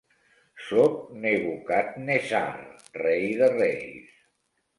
Sóc Nebuchadnezzar, rei de reis.